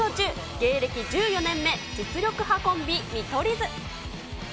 芸歴１４年目、実力派コンビ、見取り図。